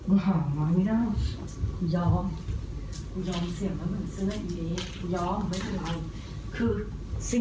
โอ้โหเจ๊